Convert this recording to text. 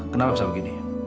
kenapa bisa begini